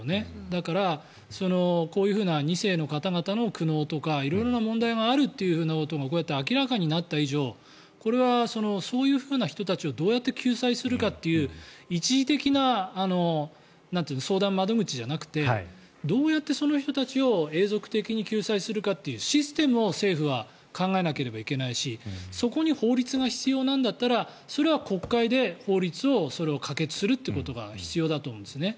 だからこういう２世の方々の苦悩とか色々な問題があるということがこうやって明らかになった以上これはそういうふうな人たちをどうやって救済するかという一時的な相談窓口じゃなくてどうやってその人たちを永続的に救済するかというシステムを政府は考えなければいけないしそこに法律が必要なんだったらそれは国会で法律を可決するってことが必要だと思うんですね。